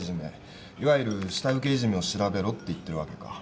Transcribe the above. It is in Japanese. いわゆる下請けいじめを調べろって言ってるわけか。